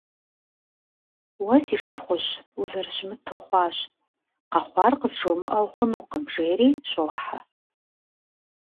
Уэ си шыпхъужь, узэрыщымыт ухъуащ: къэхъуар къызжумыӏэу хъунукъым, - жери щохьэ.